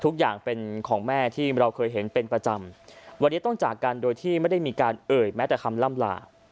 เขาบอกว่าปีใหม่ตั้งใจว่าจะ